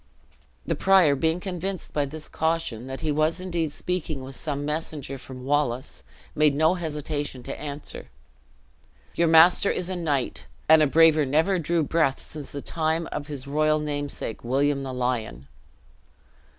The prior, being convinced by this caution, that he was indeed speaking with some messenger from Wallace, made no hesitation to answer. "Your master is a knight, and a braver never drew breath since the time of his royal namesake, William the Lion!"